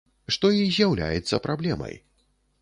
Што і з'яўляецца праблемай.